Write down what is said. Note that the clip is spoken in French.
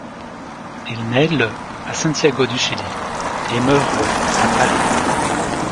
Il nait le à Santiago du Chili et meurt le à Paris.